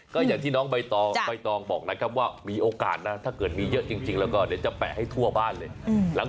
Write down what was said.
ก็อย่างที่น้องใบตองใบตองบอกนะครับว่ามีโอกาสนะถ้าเกิดมีเยอะจริงแล้วก็เดี๋ยวจะแปะให้ทั่วบ้านเลย